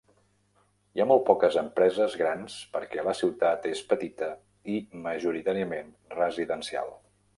Hi ha molt poques empreses grans perquè la ciutat és petita i majoritàriament residencial.